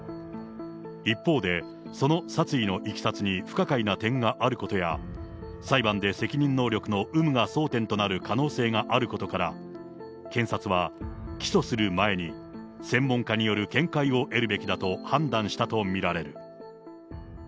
一方で、その殺意のいきさつに不可解な点があることや、裁判で責任能力の有無が争点となる可能性があることから、検察は起訴する前に専門家による見解を得るべきだと判断したと見られる。